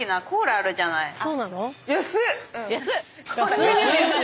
安っ！